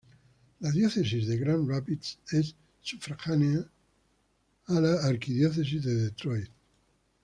La Diócesis de Grand Rapids es sufragánea d la Arquidiócesis de Detroit.